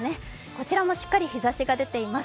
こちらもしっかり日ざしが出ています。